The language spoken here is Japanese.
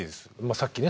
さっきね